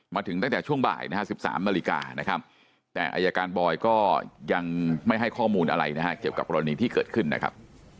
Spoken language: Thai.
มาถึงตั้งแต่ช่วงบ่ายนะฮะ๑๓นาฬิกานะครับแต่อายการบอยก็ยังไม่ให้ข้อมูลอะไรนะฮะเกี่ยวกับกรณีที่เกิดขึ้นนะครับ